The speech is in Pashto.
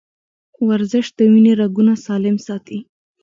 ورزش د وینې رګونه سالم ساتي.